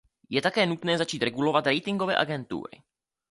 Je také nutné začít regulovat ratingové agentury.